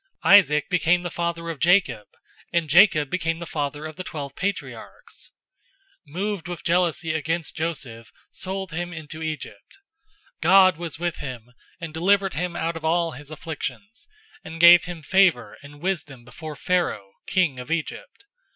Isaac became the father of Jacob, and Jacob became the father of the twelve patriarchs. 007:009 "The patriarchs, moved with jealousy against Joseph, sold him into Egypt. God was with him, 007:010 and delivered him out of all his afflictions, and gave him favor and wisdom before Pharaoh, king of Egypt.